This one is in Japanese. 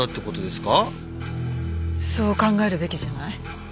そう考えるべきじゃない？